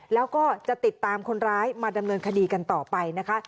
แล้วก็จะติดตามคนร้ายมาดำเนินคดีกันต่อไปนะคะ